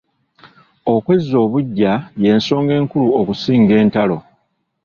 Okwezza obuggya y’ensonga enkulu okusinga entalo.